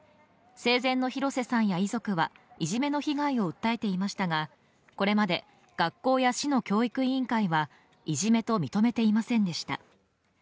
生前の廣瀬さんや遺族はいじめの被害を訴えていましたがこれまで学校や市の教育委員会はいじめと認めていませんでした。